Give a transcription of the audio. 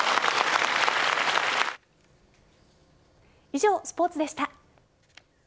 以上、スポーツでした。